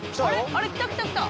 あれ来た来た来た！